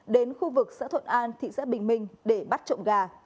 đến khu vực xã thuận an thị xã bình minh để bắt trộm gà